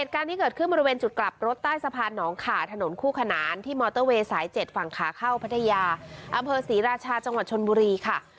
การที่เกิดขึ้นบริเวณจุดกลับรถใต้สะพานหนองขาถนนคู่ขนานที่มอเตอร์เวย์สาย๗ฝั่งขาเข้าพัทยาอำเภอศรีราชาจังหวัดชนบุรีค่ะ